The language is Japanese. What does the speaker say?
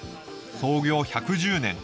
創業１１０年。